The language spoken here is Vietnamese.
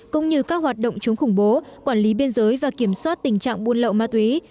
cũng như các hoạt động chống khủng bố quản lý biên giới và kiểm soát tình trạng buôn lậu ma túy